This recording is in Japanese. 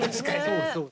そうそう。